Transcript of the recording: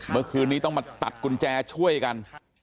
เมื่อคืนนี้ต้องมาตัดกุญแจช่วยกัน